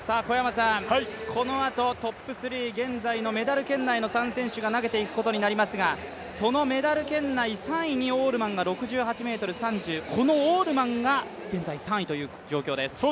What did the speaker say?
このあと、トップ３現在のメダル圏内の３選手が投げていくことになると思いますが、そのメダル圏内３位にオールマンが６８ｍ３０、このオールマンが現在３位という状況です。